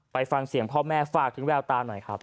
ไปฟังเสียงพ่อแม่ฝากถึงแววตาหน่อยครับ